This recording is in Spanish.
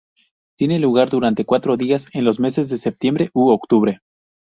Tiene lugar durante cuatro días en los meses de septiembre u octubre.